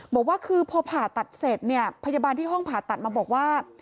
บอกว่าคือพอผ่าตัดเสร็จเนี่ยพยาบาลที่ห้องผ่าตัดมาบอกว่า